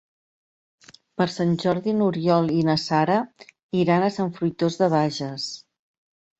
Per Sant Jordi n'Oriol i na Sara iran a Sant Fruitós de Bages.